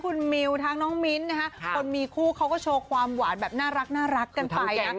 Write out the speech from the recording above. คนมีคู่เขาก็โชว์ความหวานแบบน่ารักกันไป